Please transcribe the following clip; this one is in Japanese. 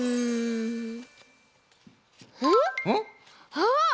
あっ！